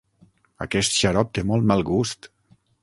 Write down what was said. Aquest xarop té molt mal gust.